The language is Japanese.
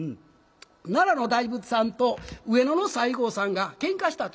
奈良の大仏さんと上野の西郷さんがけんかしたというクイズなんです。